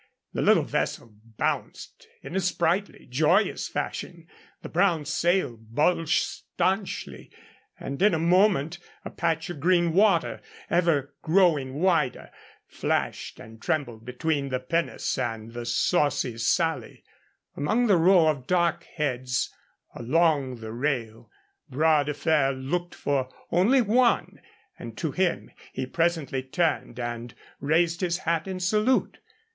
The little vessel bounced in a sprightly, joyous fashion, the brown sail bulged stanchly, and in a moment a patch of green water, ever growing wider, flashed and trembled between the pinnace and the Saucy Sally. Among the row of dark heads along the rail Bras de Fer looked for only one, and to him he presently turned and raised his hat in salute.